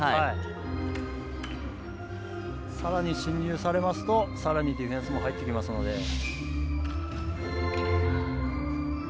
さらに進入されますとさらにディフェンスが入ってきますので。